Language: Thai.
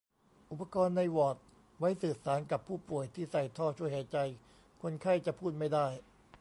อุปกรณ์ในวอร์ดไว้สื่อสารกับผู้ป่วยที่ใส่ท่อช่วยหายใจ คนไข้จะพูดไม่ได้